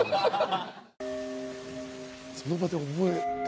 その場で覚えて？